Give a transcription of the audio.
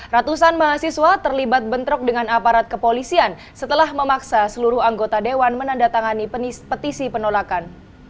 ratusan mahasiswa terlibat bentrok dengan aparat kepolisian setelah memaksa seluruh anggota dewan menandatangani petisi penolakan